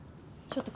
ちょっと！